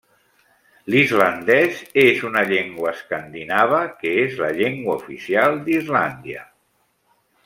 L'islandès és una llengua escandinava que és la llengua oficial d'Islàndia.